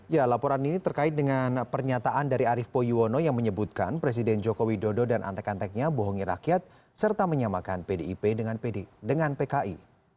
ya laporan ini terkait dengan pernyataan dari arief poyuwono yang menyebutkan presiden joko widodo dan antek anteknya bohongi rakyat serta menyamakan pdip dengan pki